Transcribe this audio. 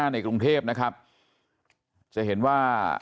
ในกรุงเทพนะครับจะเห็นว่า